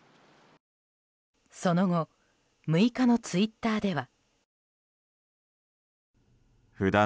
その後６日のツイッターでは。